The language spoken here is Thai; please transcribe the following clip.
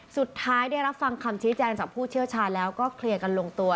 ได้รับฟังคำชี้แจงจากผู้เชี่ยวชาญแล้วก็เคลียร์กันลงตัว